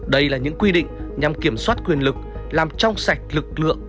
đây là những quy định nhằm kiểm soát quyền lực làm trong sạch lực lượng